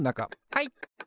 はい！